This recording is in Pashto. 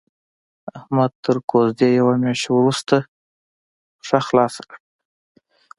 احمد تر کوزدې يوه مياشت روسته پښه خلاصه کړه.